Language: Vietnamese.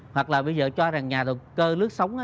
hoặc là bây giờ cho rằng nhà đầu cơ lướt sóng